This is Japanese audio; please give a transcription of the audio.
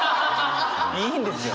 いいんですよ！